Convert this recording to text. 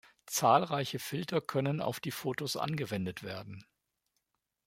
Zahlreiche Filter können auf die Fotos angewendet werden.